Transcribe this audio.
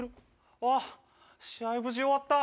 ああ、試合無事終わった。